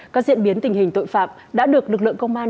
các diễn biến tình hình tội phạm đã được lực lượng công an